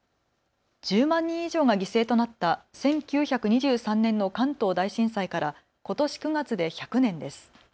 １０万人以上が犠牲となった１９２３年の関東大震災からことし９月で１００年です。